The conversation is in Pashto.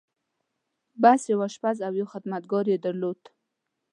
بس! يو آشپز او يو خدمتګار يې درلود.